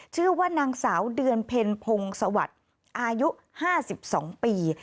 ชื่อว่านางสาวเดือนเพ็ญพงศวรรค์อายุ๕๒ปี